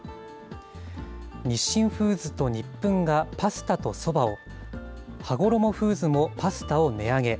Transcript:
日清フーズとニップンがパスタとそばを、はごろもフーズもパスタを値上げ。